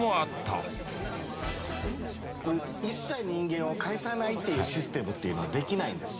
これ一切人間を介さないっていうシステムっていうのはできないんですか？